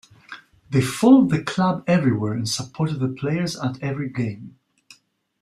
They followed the club everywhere and supported the players at every game.